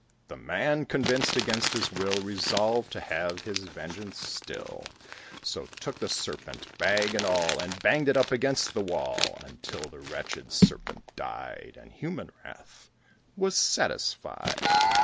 The Man, convinced against his will, Resolved to have his vengeance still; So took the Serpent, bag and all, And banged it up against the wall, Until the wretched Serpent died, And human wrath was satisfied.